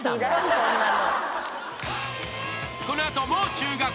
こんなの。